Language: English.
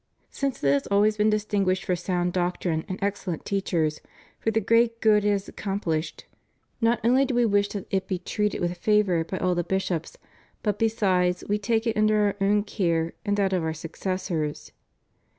Since it has always been distinguished for sound doctrine and excel lent teachers, for the great good it has accomplished, not only do We wish that it be treated with favor by all the bishops, but besides We take it under Our own care and that of Our successors.